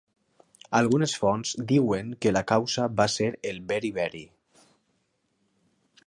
Algunes fonts diuen que la causa va ser el beri-beri.